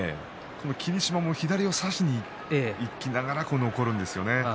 霧島も左を差しにいきながら残るんですよね。